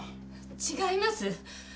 違います！